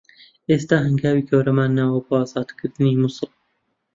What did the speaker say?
ئێستا هەنگاوی گەورەمان ناوە بۆ ئازادکردنی موسڵ